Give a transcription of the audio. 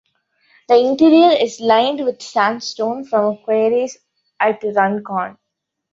The interior is lined with sandstone from quarries at Runcorn.